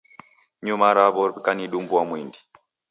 Nyuma yaro w'ikanidumbua mwindi.